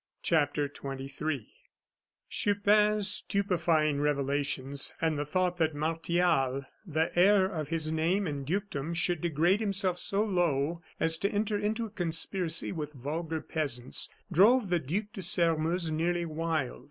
CHAPTER XXIII Chupin's stupefying revelations and the thought that Martial, the heir of his name and dukedom, should degrade himself so low as to enter into a conspiracy with vulgar peasants, drove the Duc de Sairmeuse nearly wild.